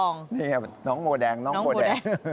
นี่น้องโมแดงน้องโบแดง